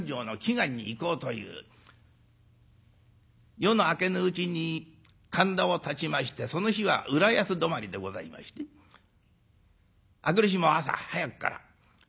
夜の明けぬうちに神田をたちましてその日は浦安どまりでございまして明くる日も朝早くから。